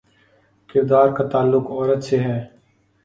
کردار کا تعلق عورت سے ہے۔